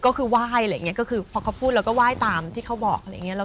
ก็คือว่ายอะไรอย่างนี้ก็คือพอเขาพูดเราก็ว่ายตามที่เขาบอก